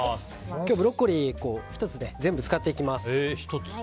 今日、ブロッコリー１つ全部使っていきます。